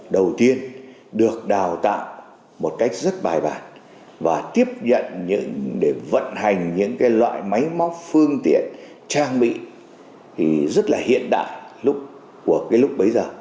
đầu tiên được đào tạo một cách rất bài bản và tiếp nhận để vận hành những loại máy móc phương tiện trang bị rất là hiện đại lúc của cái lúc bấy giờ